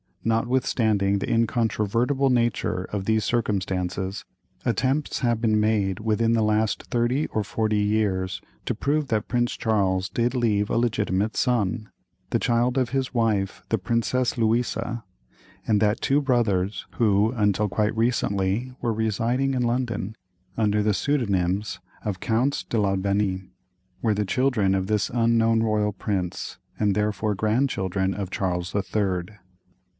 Notwithstanding the incontrovertible nature of these circumstances, attempts have been made within the last thirty or forty years to prove that Prince Charles did leave a legitimate son, the child of his wife the Princess Louisa; and that two brothers, who until quite recently were residing in London under the pseudonyms of "Counts d'Albanie," were the children of this unknown royal prince, and therefore grandchildren of "Charles the Third."